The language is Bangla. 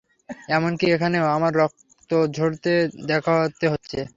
এমনকি এখানেও, আমায় রক্ত ঝড়তে দেখতে হচ্ছে।